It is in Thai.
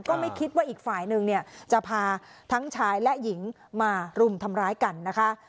ก็ไม่คิดว่าอีกฝ่ายนึงเนี่ยจะพาทั้งชายและหญิงมารุมทำร้ายกันนะคะ